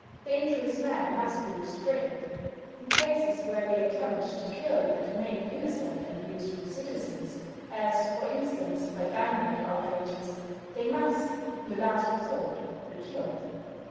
Dangerous men must be restrained. In cases where they attempt to kill and maim innocent and useful citizens, as, for instance, by dynamite outrages, they must, in the last resort, be killed.